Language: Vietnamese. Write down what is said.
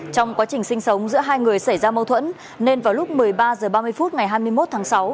trong quá trình sinh sống giữa hai người xảy ra mâu thuẫn nên vào lúc một mươi ba h ba mươi phút ngày hai mươi một tháng sáu